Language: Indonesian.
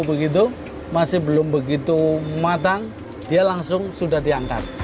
begitu masih belum begitu matang dia langsung sudah diangkat